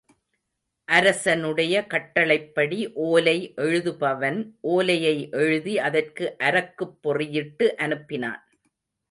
அரசனுடைய கட்டளைப்படி ஓலை எழுதுபவன் ஓலையை எழுதி அதற்கு அரக்குப் பொறியிட்டு அனுப்பினான்.